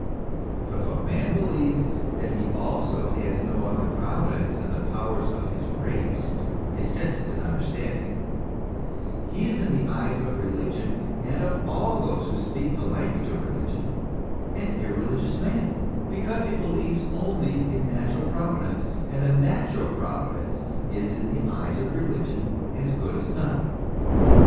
But if a man believes that he also has no other Providence than the powers of his race his senses and understanding, he is in the eyes of religion, and of all those who speak the language of religion, an irreligious man ; because he believes only in a natural Pro vidence, and a natural Providence is in the eyes of religion as good as none.